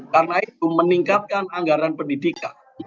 karena itu meningkatkan anggaran pendidikan